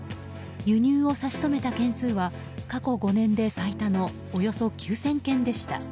輸入を差し止めた件数は過去５年で最多のおよそ９０００件でした。